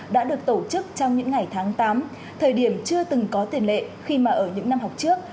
đã được tổ chức trong những ngày tháng tám thời điểm chưa từng có tiền lệ khi mà ở những năm học trước